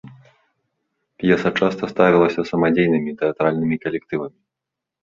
П'еса часта ставілася самадзейнымі тэатральнымі калектывамі.